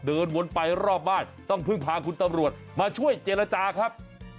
เดินวนไปรอบบ้านต้องพึ่งพาคุณตำรวจมาช่วยเจรจาครับ